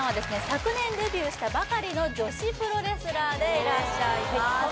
昨年デビューしたばかりの女子プロレスラーでいらっしゃいます